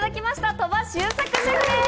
鳥羽周作シェフです！